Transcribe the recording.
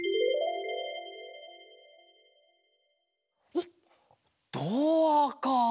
おっドアか。